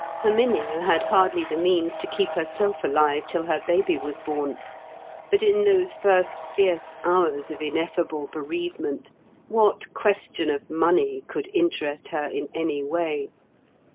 Herminia had hardly the means to keep herself alive till her baby was born; but in those first fierce hours of ineffable bereavement what question of money could interest her in any way?